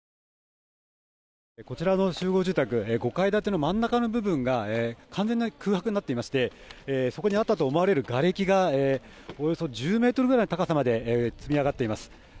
こちらの集合住宅５階建ての真ん中の部分が完全に空白になっていましてそこにあったと思われるがれきがおよそ１０ｍくらいの高さまで積み上がっています。